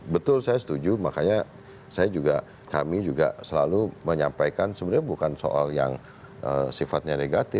betul saya setuju makanya kami juga selalu menyampaikan sebenarnya bukan soal yang sifatnya regal